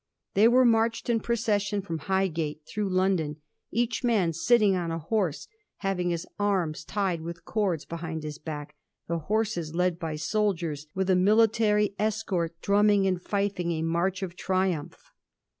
They were marched in procession from Highgate through London, each man sitting on a horse, having his arms tied with cords behind his back, the horses led by soldiers, with a military escort drumming and fifing a march of triumph.